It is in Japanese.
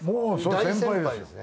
大先輩ですね。